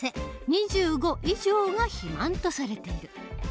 ２５以上が肥満とされている。